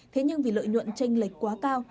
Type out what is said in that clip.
thế nhưng vì lợi nhuận tranh lệch quá cao